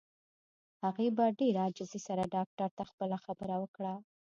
هغې په ډېره عاجزۍ سره ډاکټر ته خپله خبره وکړه.